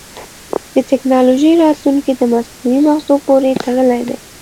د ټکنالوجۍ راتلونکی د مصنوعي مغزو پورې تړلی دی.